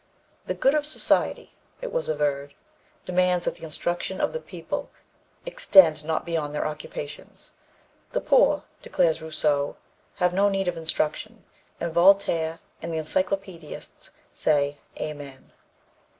"The good of society," it was averred, "demands that the instruction of the people extend not beyond their occupations." "The poor," declares Rousseau, "have no need of instruction," and Voltaire and the Encyclopedists say, "Amen."